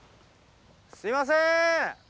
すいません！